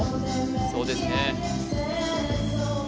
そうですね